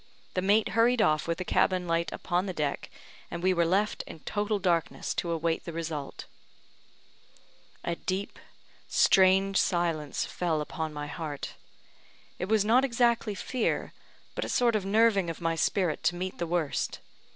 The mate hurried off with the cabin light upon the deck, and we were left in total darkness to await the result. A deep, strange silence fell upon my heart. It was not exactly fear, but a sort of nerving of my spirit to meet the worst.